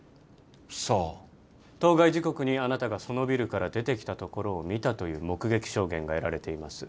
さあ当該時刻にあなたがそのビルから出てきたところを見たという目撃証言が得られています